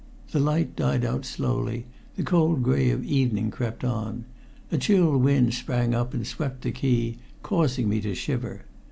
The light died out slowly, the cold gray of evening crept on. A chill wind sprang up and swept the quay, causing me to shiver.